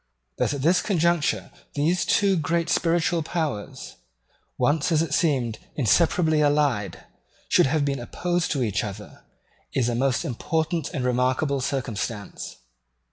That at this conjuncture these two great spiritual powers, once, as it seemed, inseparably allied, should have been opposed to each other, is a most important and remarkable circumstance.